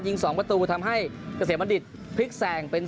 ยิง๒ประตูทำให้เกษตรมันดิจพลิกแซงเป็น๓๒